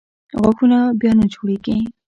غاښونه بیا نه جوړېږي.